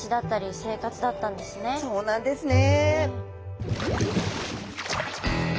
そうなんですね。